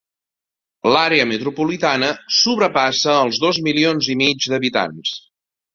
L'àrea metropolitana sobrepassa els dos milions i mig d'habitants.